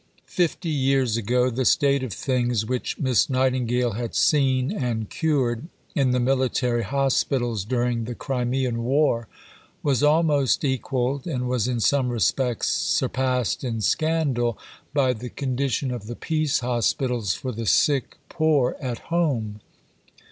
Fifty years ago the state of things which Miss Nightingale had seen, and cured, in the military hospitals during the Crimean War was almost equalled, and was in some respects surpassed in scandal, by the condition of the peace hospitals for the sick poor at home.